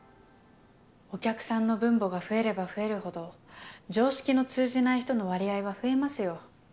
お客さんの分母が増えれば増えるほど常識の通じない人の割合は増えますよ。